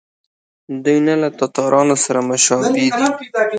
دوی نه له تاتارانو سره مشابه دي.